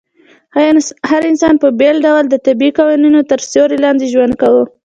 هر انسان په بېل ډول د طبيعي قوانينو تر سيوري لاندي ژوند کاوه